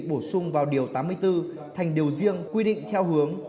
bổ sung vào điều tám mươi bốn thành điều riêng quy định theo hướng